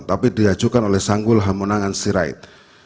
tapi diajukan oleh sanggul hamunangan sirait